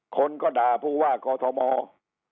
คนก็ด่าผู้ว่ากอทม